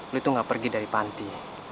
lu itu gak pergi dari panti